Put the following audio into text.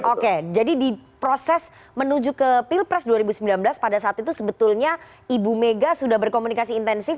oke jadi di proses menuju ke pilpres dua ribu sembilan belas pada saat itu sebetulnya ibu mega sudah berkomunikasi intensif